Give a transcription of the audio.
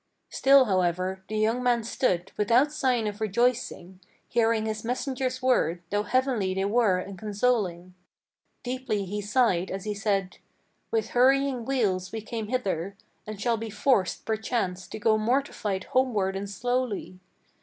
Still, however, the young man stood, without sign of rejoicing Hearing his messenger's words, though heavenly they were and consoling. Deeply he sighed as he said: "With hurrying wheels we came hither, And shall be forced, perchance, to go mortified homeward and slowly.